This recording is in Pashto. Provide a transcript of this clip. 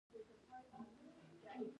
ژمنه ولې باید پوره شي؟